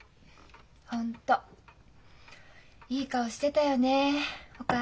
本当いい顔してたよねえお母さん。